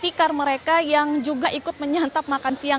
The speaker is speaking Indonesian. tikar mereka yang juga ikut menyantap makan siang